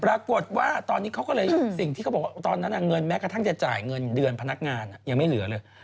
ปรากฏว่าตอนนี้เขาก็เลยสิ่งที่เขาบอกว่าตอนนั้นเงินแม้กระทั่งจะจ่ายเงินเดือนพนักงานยังไม่เหลือเลย